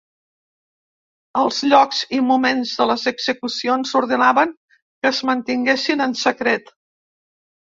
Els llocs i moments de les execucions s'ordenaven que es mantinguessin en secret.